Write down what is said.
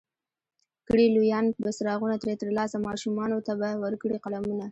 کړي لویان به څراغونه ترې ترلاسه، ماشومانو ته به ورکړي قلمونه